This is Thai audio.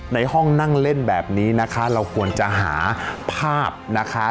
ในห้องนั่งเล่นแบบนี้นะคะเราควรจะหาภาพนะคะ